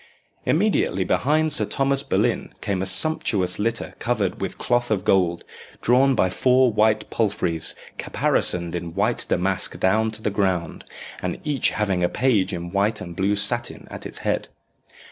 Immediately behind Sir Thomas Boleyn came a sumptuous litter covered with cloth of gold, drawn by four white palfreys caparisoned in white damask down to the ground, and each having a page in white and blue satin at its head.